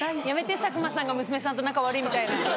やめて佐久間さんが娘さんと仲悪いみたいな。